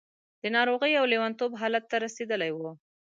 د ناروغۍ او لېونتوب حالت ته رسېدلې وه.